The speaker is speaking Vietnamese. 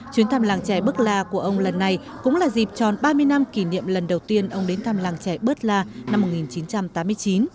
chuyến thăm làng trẻ bơ la của ông lần này cũng là dịp tròn ba mươi năm kỷ niệm lần đầu tiên ông đến thăm làng trẻ bơ la năm một nghìn chín trăm tám mươi chín